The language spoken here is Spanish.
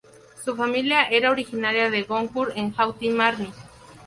Su familia era originaria de Goncourt en Haute-Marne.